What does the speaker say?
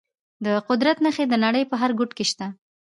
د قدرت نښې د نړۍ په هر ګوټ کې شته.